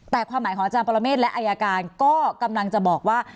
แต่ความหมายของอาจารย์ปรเมฆและอายการก็กำลังจะบอกว่า